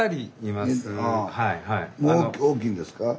もう大きいんですか？